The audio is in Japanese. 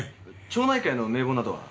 町内会の名簿などは？